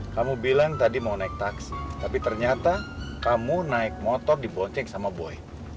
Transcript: kamu bilang tadi mau naik taksi tapi ternyata kamu naik motor dibonceng sama boy